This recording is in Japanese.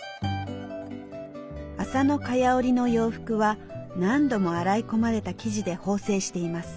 麻の蚊帳織の洋服は何度も洗い込まれた生地で縫製しています。